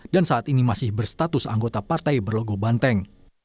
dan saat ini masih berstatus anggota partai berlogo banteng